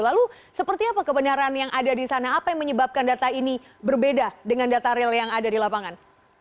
lalu seperti apa kebenaran yang ada di sana apa yang menyebabkan data ini berbeda dengan data real yang ada di lapangan